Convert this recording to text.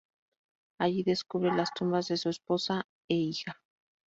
Allí, descubre las tumbas de su esposa e hija.